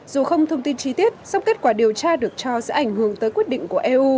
dù không thông tin chi tiết song kết quả điều tra được cho sẽ ảnh hưởng tới quyết định của eu